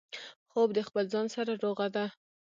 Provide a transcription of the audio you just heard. خوب د خپل ځان سره روغه ده